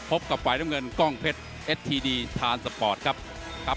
พบกับฝ่ายน้ำเงินกล้องเพชรเอ็ดทีดีทานสปอร์ตครับครับ